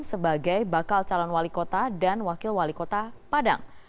sebagai bakal calon wali kota dan wakil wali kota padang